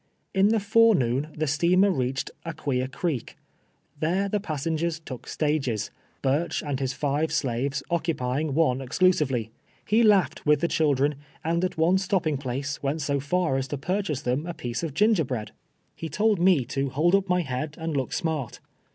In the forenoon the steamer reached Aqiiia Creek. There the passengers took stages — Burch and his live slaves occn]>ying one exclusively. He hinghed with the children, and at one stop])ing place ■went so far as to purchase them a jiiecc of gingerhread. He told me to hold nj) my head and louk smart.